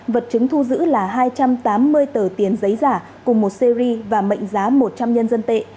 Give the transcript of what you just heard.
vật chứng thu giữ là hai trăm tám mươi tờ tiền giấy giả cùng một series và mệnh giá một trăm linh nhân dân tệ